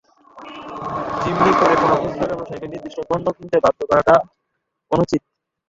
জিম্মি করে কোনো খুচরা ব্যবসায়ীকে নির্দিষ্ট পণ্য কিনতে বাধ্য করাটা অনুচিত।